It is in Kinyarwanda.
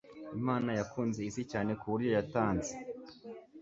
Imana yakunze isi cyane ku buryo yatanze